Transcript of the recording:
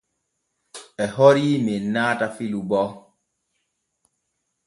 E hori men naata filu bo.